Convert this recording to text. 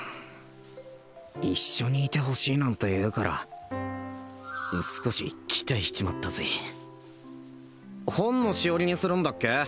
一緒にいてほしいなんて言うから少し期待しちまったぜ本のしおりにするんだっけ？